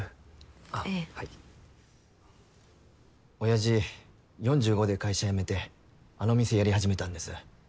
親父４５で会社辞めてあの店やり始めたんです